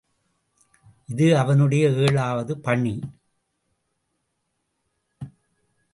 இது அவனுடைய ஏழாவது பணி.